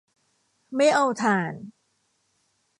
ไม่เอาถ่าน